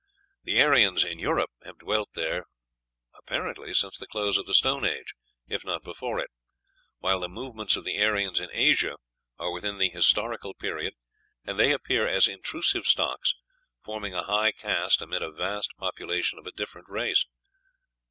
The Aryans in Europe have dwelt there apparently since the close of the Stone Age, if not before it, while the movements of the Aryans in Asia are within the Historical Period, and they appear as intrusive stocks, forming a high caste amid a vast population of a different race.